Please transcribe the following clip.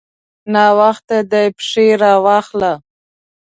ناوخته دی؛ پښې راواخله.